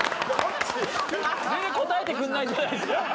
全然答えてくれないじゃないですか。